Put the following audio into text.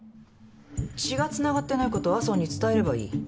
血がつながってないことを安生に伝えればいい。